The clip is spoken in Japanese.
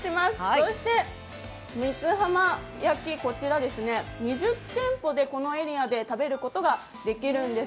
三津浜焼き、こちら、２０店舗でこのエリアで食べることができるんです。